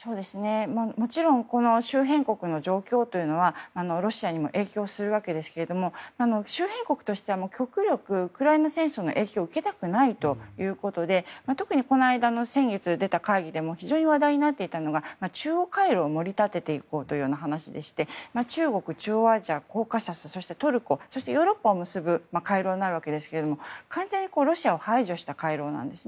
もちろん、周辺国の状況はロシアにも影響するわけですが周辺国としては極力ウクライナ戦争の影響を受けたくないということで特に先月出た会議でも非常に話題にあったのが中央回廊を盛り上げていこうという話でして、中国、中央アジアやそしてトルコ、ヨーロッパを結ぶ回廊となるわけですが完全にロシアを排除した回廊なんです。